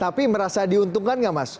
tapi merasa diuntungkan nggak mas